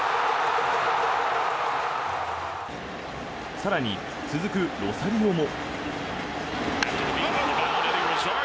更に、続くロサリオも。